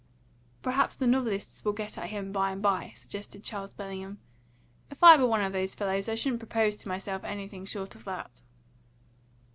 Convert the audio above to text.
"Perhaps the novelists will get at him by and by," suggested Charles Bellingham. "If I were one of these fellows, I shouldn't propose to myself anything short of that."